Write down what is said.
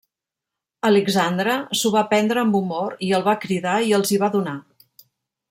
Alexandre s'ho va prendre amb humor, i el va cridar i els hi va donar.